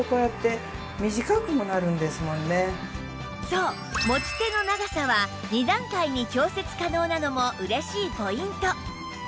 そう持ち手の長さは２段階に調節可能なのも嬉しいポイント